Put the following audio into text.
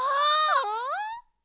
うん！